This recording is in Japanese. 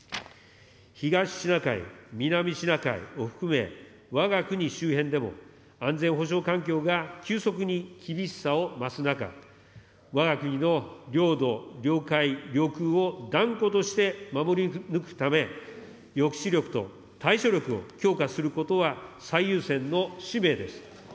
東シナ海、南シナ海を含め、わが国周辺でも、安全保障環境が急速に厳しさを増す中、わが国の領土・領海・領空を断固として守り抜くため、抑止力と対処力を強化することは、最優先の使命です。